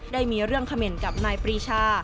ได้มีเรื่องเขม่นกับนายปรีชา